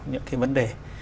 những cái vấn đề